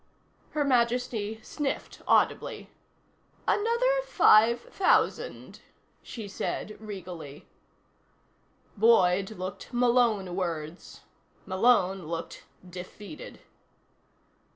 Her Majesty sniffed audibly. "Another five thousand," she said regally. Boyd looked Malonewards. Malone looked defeated.